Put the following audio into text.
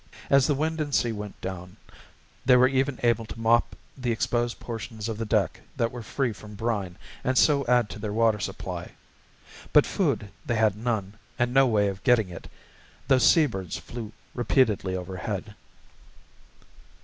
As the wind and sea went down, they were even able to mop the exposed portions of the deck that were free from brine and so add to their water supply. But food they had none, and no way of getting it, though sea birds flew repeatedly overhead.